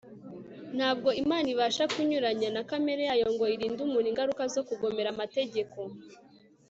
ntabwo imana ibasha kunyuranya na kamere yayo ngo irinde umuntu ingaruka zo kugomera amategeko